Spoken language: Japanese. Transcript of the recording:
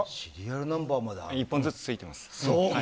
１本ずつ、ついています。